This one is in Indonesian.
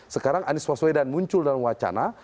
sekarang anies waswedan muncul dalam wacana